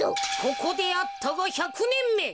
ここであったが１００ねんめ。